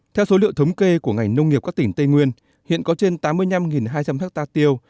theo số liệu thống kê của ngành nông nghiệp các tỉnh tây nguyên hiện có trên tám mươi năm hai trăm linh ha tiêu